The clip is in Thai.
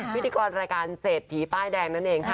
พิธีกรรายการเศรษฐีป้ายแดงนั่นเองค่ะ